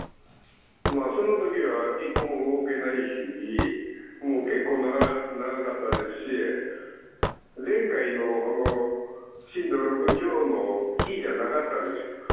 その時は一歩も動けないし結構長かったですし前回の震度６強の比じゃなかったですよ。